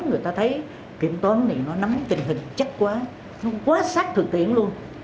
người ta thấy kiểm toán này nó nắm tình hình chắc quá nó quá sát thực tiễn luôn